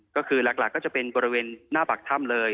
ก็คือหลักก็จะเป็นบริเวณหน้าปากถ้ำเลย